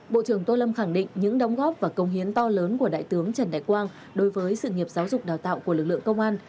bộ trưởng tô lâm khẳng định những đóng góp và công hiến to lớn của đại tướng trần đại quang đối với sự nghiệp giáo dục đào tạo của lực lượng công an